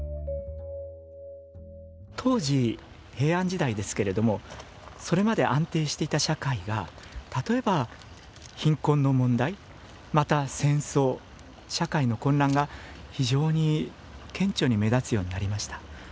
当時平安時代ですけれどもそれまで安定していた社会が例えば貧困の問題また戦争社会の混乱が非常に顕著に目立つようになりました。